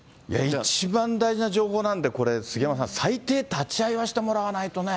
一番大事な情報なんで、これ、杉山さん、最低立ち会いはしてもらわないとね。